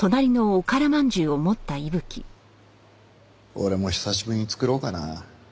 俺も久しぶりに作ろうかな。